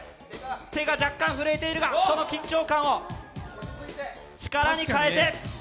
手が若干震えているが、その緊張感を力に変えて。